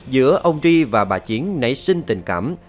giữa ông tri và bà chiến nảy sinh tình cảm